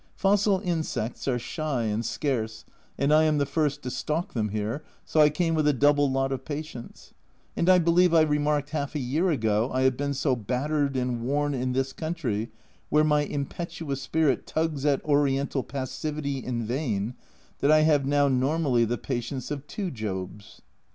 Fossil insects are shy and scarce, and I am the first to stalk them here, so I came with a double lot of patience ; and I believe I remarked half a year ago, I have been so battered and worn in this country, where my impetuous spirit tugs at Oriental passivity in vain, that I have now normally the patience of two Jobs.